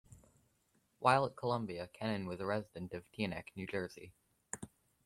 While at Columbia, Kenen was a resident of Teaneck, New Jersey.